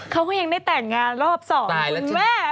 เขาก็ยังได้แต่งงานรอบ๒คุณแม่